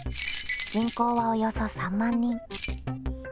人口はおよそ３万人。